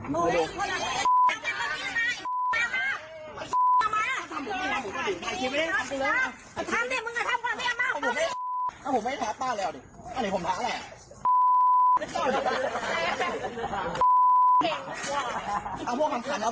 เออก็คอยดูพรุ่งนี้ผมมันจบแล้ว